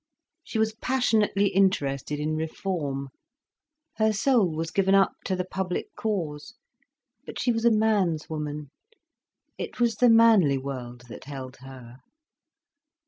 She was passionately interested in reform, her soul was given up to the public cause. But she was a man's woman, it was the manly world that held her.